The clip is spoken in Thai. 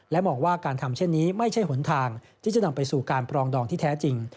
มองว่าการทำเช่นนี้ไม่ใช่หนทางที่จะนำไปสู่การปรองดองที่แท้จริง